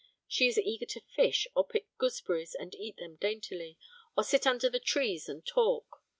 She is eager to fish, or pick gooseberries and eat them daintily, or sit under the trees and talk.